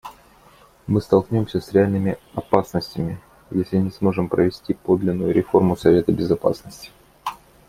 Мы столкнемся с реальными опасностями, если не сможем провести подлинную реформу Совета Безопасности.